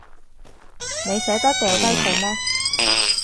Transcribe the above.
你捨得掉低佢咩？